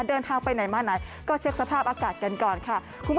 เดินทางไปไหนมาไหนก็เช็คสภาพอากาศกันก่อนค่ะ